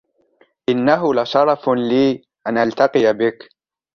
إنه لشرف لي أن ألتقي بك.